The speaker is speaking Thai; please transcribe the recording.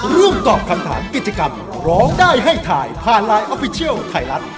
ร่วมตอบคำถามกิจกรรมร้องได้ให้ถ่ายผ่านไลน์ออฟฟิเชียลไทยรัฐ